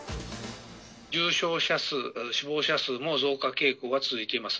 重症者数、死亡者数も増加傾向が続いています。